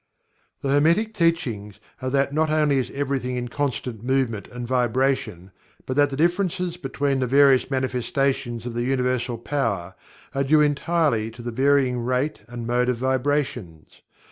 The Hermetic Teachings are that not only is everything in constant movement and vibration, but that the "differences" between the various manifestations of the universal power are due entirely to the varying rate and mode of vibrations.